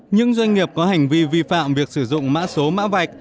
những doanh nghiệp có hành vi vi phạm việc sử dụng mã số mã vạch